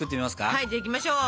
はいじゃあいきましょう。